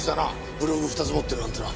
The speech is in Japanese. ブログを２つ持ってるなんてな。